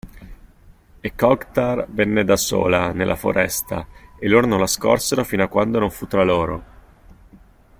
E Kog'Tar venne da sola, nella foresta, e loro non la scorsero fino a quando non fu tra loro.